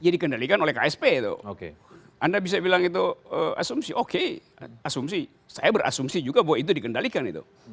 dia dikendalikan oleh ksp itu oke anda bisa bilang itu asumsi oke asumsi saya berasumsi juga bahwa itu dikendalikan itu